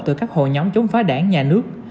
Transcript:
từ các hội nhóm chống phá đảng nhà nước